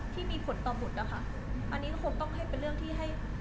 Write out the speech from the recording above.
ที่มีผลต่อหมุดอะค่ะอันนี้ผมก็ให้เป็นเรื่องที่ให้